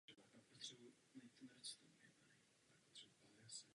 I v Praze se aktivně účastnil hudebního dění.